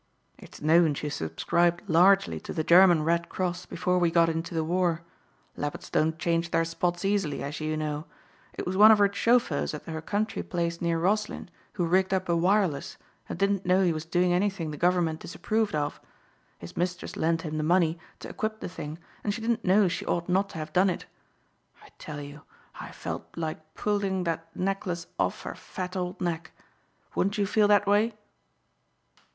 "It's known she subscribed largely to the German Red Cross before we got into the war. Leopards don't change their spots easily, as you know. It was one of her chauffeurs at her country place near Roslyn who rigged up a wireless and didn't know he was doing anything the government disapproved of. His mistress lent him the money to equip the thing and she didn't know she ought not to have done it. I tell you I felt like pulling that necklace off her fat old neck. Wouldn't you feel that way?"